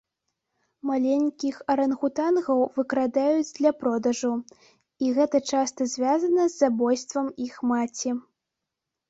Маленькіх арангутангаў выкрадаюць для продажу, і гэта часта звязана з забойствам іх маці.